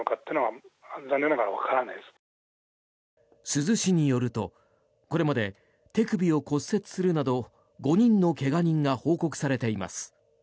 珠洲市によるとこれまで手首を骨折するなど５人の怪我人が報告されています。